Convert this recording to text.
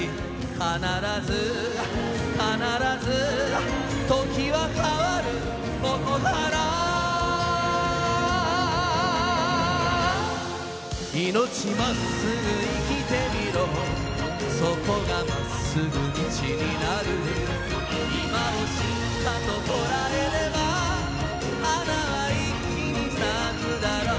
かならずかならず時は変わるここからいのちまっすぐ生きてみろそこがまっすぐ道になるいまをしっかと捉えれば華は一気に咲くだろう